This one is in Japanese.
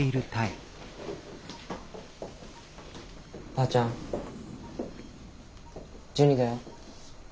ばあちゃんジュニだよ。